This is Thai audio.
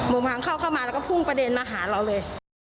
โมงเข้าเข้ามาแล้วก็พุ่งประเด็นมาหาเราเลย